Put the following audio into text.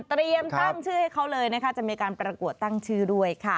ตั้งชื่อให้เขาเลยนะคะจะมีการประกวดตั้งชื่อด้วยค่ะ